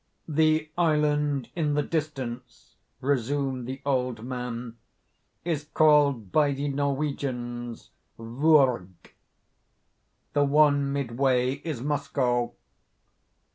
"The island in the distance," resumed the old man, "is called by the Norwegians Vurrgh. The one midway is Moskoe.